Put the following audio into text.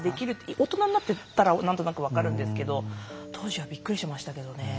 大人になってたら何となく分かるんですけど当時はびっくりしましたけどね。